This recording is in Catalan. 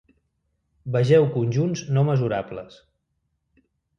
Vegeu conjunts no mesurables.